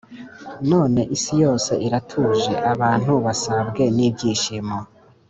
None isi yose iratuje, abantu basabwe n’ibyishimo.